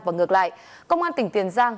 và ngược lại công an tỉnh tiền giang